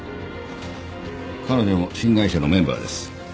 彼女も新会社のメンバーです。